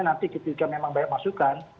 nanti ketika memang banyak masukan